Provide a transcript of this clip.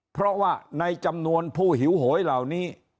เพราะว่าในจำนวนผู้หิวโหยเหล่านี้